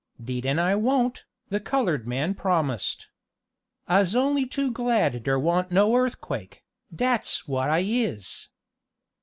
"'Deed an' I won't," the colored man promised. "I'se only too glad dere wa'n't no earthquake, dat's what I is."